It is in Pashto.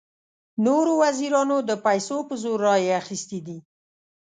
نورو وزیرانو د پیسو په زور رایې اخیستې دي.